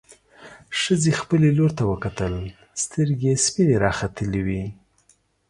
ښځې خپلې لور ته وکتل، سترګې يې سپينې راختلې وې.